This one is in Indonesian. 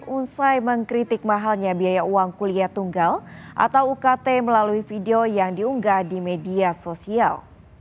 usai mengkritik mahalnya biaya uang kuliah tunggal atau ukt melalui video yang diunggah di media sosial